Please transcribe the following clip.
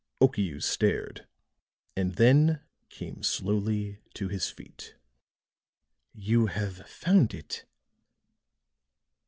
Okiu stared, and then came slowly to his feet. "You have found it?"